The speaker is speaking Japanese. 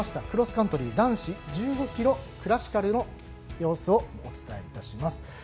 クロスカントリー男子１５ｋｍクラシカルの様子をお伝えいたします。